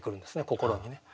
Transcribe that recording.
心にね。